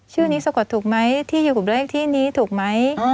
ชื่อนี้สะกดถูกไหมที่อยู่กับเลขที่นี้ถูกไหม